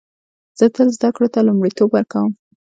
زه تل زده کړو ته لومړیتوب ورکوم